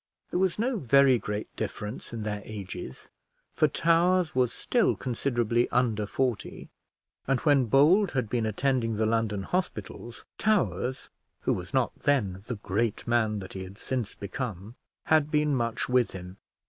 There was no very great difference in their ages, for Towers was still considerably under forty; and when Bold had been attending the London hospitals, Towers, who was not then the great man that he had since become, had been much with him.